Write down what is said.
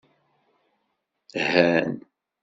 Han.